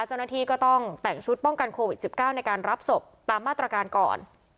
เจ้าหน้าที่ก็ต้องแต่งชุดป้องกันโควิด๑๙ในการรับศพตามมาตรการก่อน